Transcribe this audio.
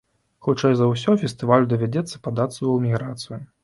Хутчэй за ўсё, фестывалю давядзецца падацца ў эміграцыю.